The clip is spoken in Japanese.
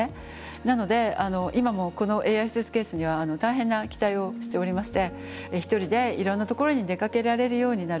なので今もこのＡＩスーツケースには大変な期待をしておりまして一人でいろんなところに出かけられるようになる。